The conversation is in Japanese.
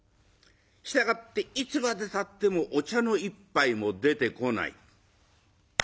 従っていつまでたってもお茶の一杯も出てこない。